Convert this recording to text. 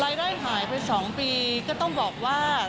รายได้หายไป๒ปีก็ต้องบอกว่า